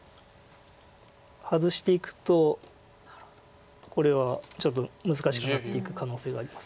ハズしていくとこれはちょっと難しくなっていく可能性があります。